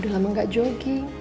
udah lama gak jogging